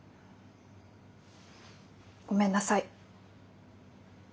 ごめんなさい。